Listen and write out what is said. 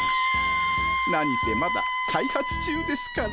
何せまだ開発中ですから。